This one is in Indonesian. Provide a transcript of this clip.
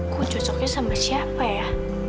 gue cocoknya sama siapa ya